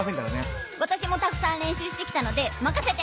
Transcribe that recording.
わたしもたくさん練習してきたのでまかせて！